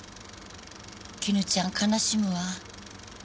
絹ちゃん悲しむわ。